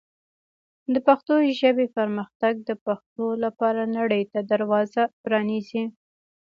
د پښتو ژبې پرمختګ د پښتو لپاره نړۍ ته دروازه پرانیزي.